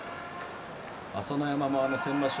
朝乃山も先場所